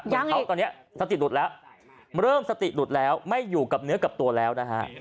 เขาตอนนี้สติหลุดแล้วเริ่มสติหลุดแล้วไม่อยู่กับเนื้อกับตัวแล้วนะฮะ